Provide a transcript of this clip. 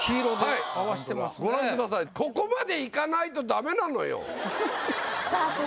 ここまでいかないとダメなのよさあ